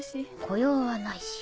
雇用はないし。